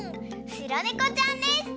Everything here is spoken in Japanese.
しろねこちゃんです！